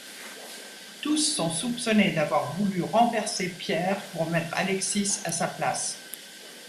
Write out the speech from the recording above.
Tous sont soupçonnés d’avoir voulu renverser Pierre pour mettre Alexis à sa place.